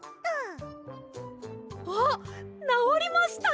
あっなおりました！